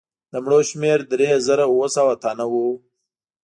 د مړو شمېر درې زره اووه سوه تنه وو.